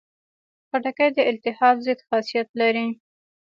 خټکی د التهاب ضد خاصیت لري.